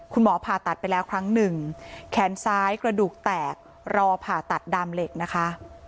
ผ่าตัดไปแล้วครั้งหนึ่งแขนซ้ายกระดูกแตกรอผ่าตัดดามเหล็กนะคะ